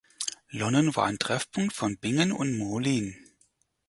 London war ein Treffpunkt von Bingen und Moulin.